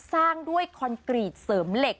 สร้างด้วยคอนกรีตเสริมเหล็ก